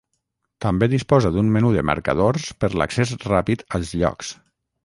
També disposa d'un menú de marcadors per l'accés ràpid als llocs.